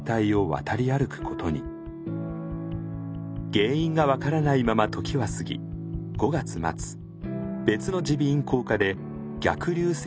原因が分からないまま時は過ぎ５月末別の耳鼻咽喉科で逆流性